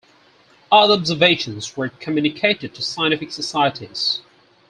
Other observations were communicated to scientific societies.